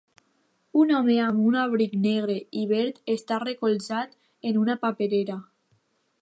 Un home amb un abric negre i verd està recolzat en una paperera.